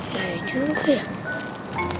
ya juga ya